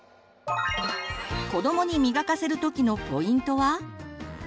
子どもに磨かせるときのポイントは？